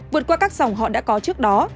bột qua các sòng họ đã có trước đó